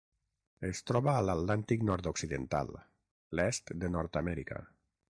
Es troba a l'Atlàntic nord-occidental: l'est de Nord-amèrica.